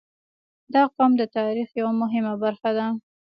• دا قوم د تاریخ یوه مهمه برخه ده.